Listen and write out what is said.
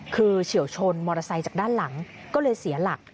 คือเฉียวชนมอเตอร์ไซค์จากด้านหลังก็เลยเสียหลัก